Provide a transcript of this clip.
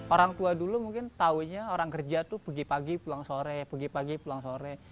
orang tua dulu mungkin taunya orang kerja tuh pergi pagi pulang sore